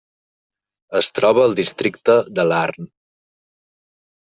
Es troba al districte de Larne.